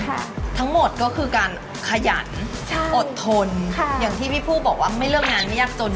ทั้งหมดก็คือการขยันใช่อดทนค่ะอย่างที่พี่ผู้บอกว่าไม่เลิกงานไม่ยากจน